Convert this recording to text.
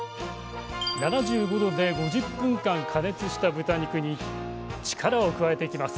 ℃で５０分間加熱した豚肉に力を加えていきます。